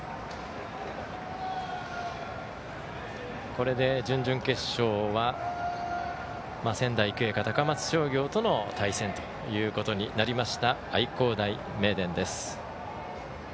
これで、準々決勝は仙台育英か高松商業との対戦ということになりました愛工大名電です。